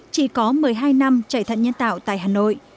chỉ có một mươi hai năm chạy thận nhân tạo tại hà nội